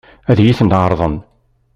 Ad iyi-ten-ɛeṛḍen?